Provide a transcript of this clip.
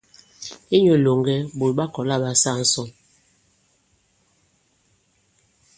Inyū ilòŋgɛ, ɓòt ɓa kɔ̀la ɓa saa ǹsɔn.